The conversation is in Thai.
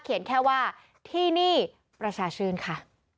แค่ว่าที่นี่ประชาชื่นค่ะ